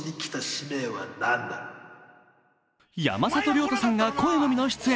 山里亮太さんが声のみの出演。